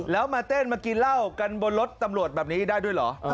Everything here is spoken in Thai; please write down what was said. แล้วมาเต้นมากินเหล้ากันบนรถตำรวจแบบนี้ได้ด้วยเหรอ